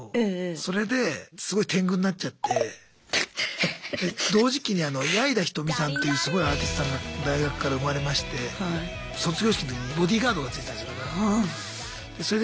それですごい同時期に矢井田瞳さんっていうすごいアーティストさんが大学から生まれまして卒業式の時にボディーガードがついてたんですよ。